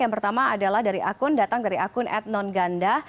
yang pertama adalah datang dari akun adnon ganda